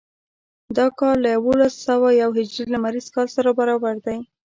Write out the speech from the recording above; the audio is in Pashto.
دا کال له یوولس سوه یو هجري لمریز کال سره برابر دی.